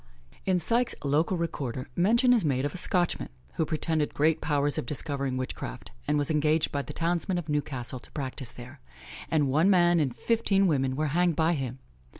In Syke's Local Recorder, mention is made of a Scotchman, who pretended great powers of discovering witchcraft, and was engaged by the townsmen of Newcastle to practise there; and one man and fifteen women were hanged by him.